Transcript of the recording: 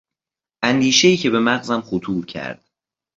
اندیشهای که به مغزم خطور کرد...